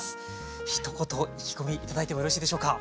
ひと言意気込み頂いてもよろしいでしょうか。